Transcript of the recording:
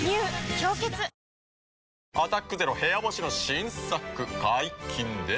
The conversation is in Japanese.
「氷結」「アタックＺＥＲＯ部屋干し」の新作解禁です。